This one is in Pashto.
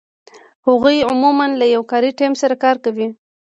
هغوی عمومآ له یو کاري ټیم سره کار کوي.